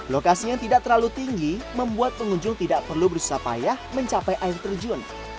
lokasi yang tidak terlalu tinggi membuat pengunjung tidak perlu berusaha payah mencapai air terjun